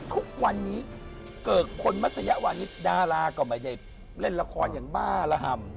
ทุกวันนี้เกิกคนมัศยะวันนี้ดารากลับมาในเล่นละครอย่างบ้าระห่ำ